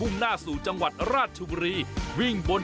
อุ๊ะใช่